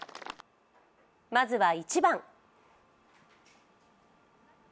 まずは１番。